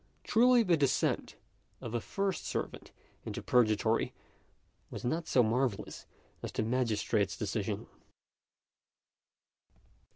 Truly the descent of the first servant into Purgatory was not so marvellous as the magistrate's decision!